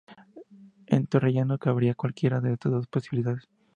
En Torrellano cabría cualquiera de estas dos posibilidades.